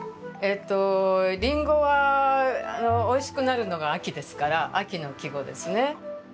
「林檎」はおいしくなるのが秋ですから秋の季語ですね。